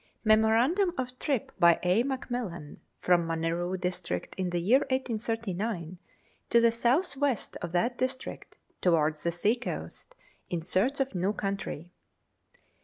MEMORANDUM OF TRIP BY A. MCMILLAN, FROM MANEROO DISTRICT, IN THE YEAR 1839, TO THE SOUTH WEST OF THAT DISTRICT, TOWARDS THE SEA COAST, IN SEARCH OF NEW COUNTRY.